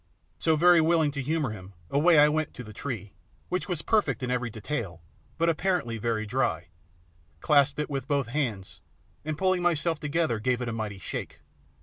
So, very willing to humour him, away I went to the tree, which was perfect in every detail, but apparently very dry, clasped it with both hands, and, pulling myself together, gave it a mighty shake.